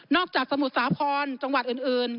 จากสมุทรสาครจังหวัดอื่น